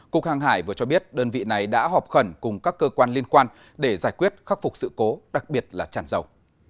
cục hàng hải vừa cho biết đơn vị này đã họp khẩn cùng các cơ quan liên quan để giải quyết khắc phục sự cố đặc biệt là tràn dầu